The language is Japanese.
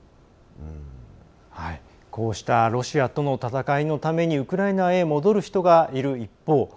こうしたロシアとの戦いのためにウクライナへ戻る人がいる一方